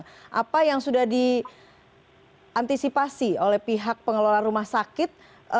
jadi itu yang sudah diantisipasi oleh pihak pengelola rumah sakit